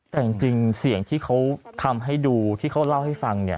แต่จริงเสียงที่เขาทำให้ดูที่เขาเล่าให้ฟังเนี่ย